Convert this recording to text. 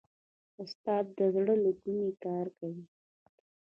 استاد د زړه له کومې کار کوي.